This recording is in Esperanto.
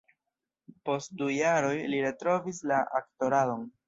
Post du jaroj, li retrovis la aktoradon.